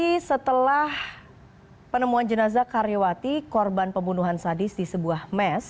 jadi setelah penemuan jenazah karyawati korban pembunuhan sadis di sebuah mes